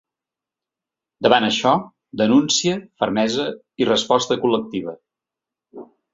Davant això, denúncia, fermesa i resposta col·lectiva.